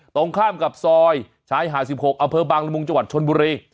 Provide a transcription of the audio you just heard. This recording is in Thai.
ตรงข้ามกับซอยชายหาด๑๖อำเภอบางละมุงจังหวัดชนบุรี